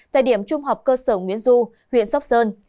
tại điểm trung học cơ sở nguyễn du huyện sóc sơn